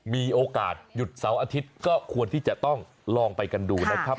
มีโอกาสหยุดเสาร์อาทิตย์ก็ควรที่จะต้องลองไปกันดูนะครับ